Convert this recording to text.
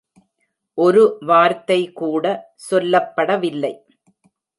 ஒரு வார்த்தை கூட சொல்லப்படவில்லை.